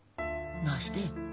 なして？